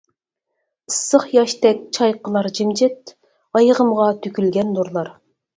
ئىسسىق ياشتەك چايقىلار جىمجىت، ئايىغىمغا تۆكۈلگەن نۇرلار.